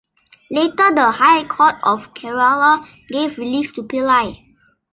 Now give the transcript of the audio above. Later the High Court of Kerala gave relief to Pillai.